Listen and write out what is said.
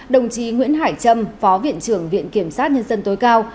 đồng chí nguyễn hải trâm phó viện trưởng viện kiểm sát nhân dân tối cao